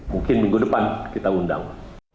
mungkin minggu depan kita undang